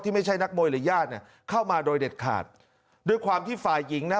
ไม่ใช่นักมวยหรือญาติเนี่ยเข้ามาโดยเด็ดขาดด้วยความที่ฝ่ายหญิงนะ